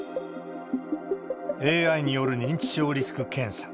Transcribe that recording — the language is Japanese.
ＡＩによる認知症リスク検査。